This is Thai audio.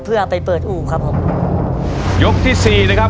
เพื่อไปเปิดอู่ครับผมยกที่สี่นะครับ